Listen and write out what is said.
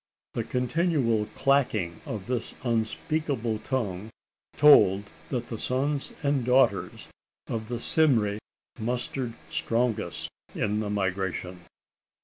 The continual clacking of this unspeakable tongue told that the sons and daughters of the Cymri mustered strongest in the migration.